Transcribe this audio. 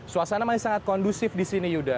suasana masih sangat kondusif di sini yuda